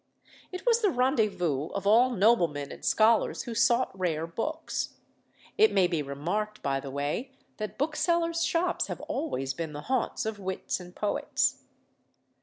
It was the rendezvous of all noblemen and scholars who sought rare books. It may be remarked, by the way, that booksellers' shops have always been the haunts of wits and poets.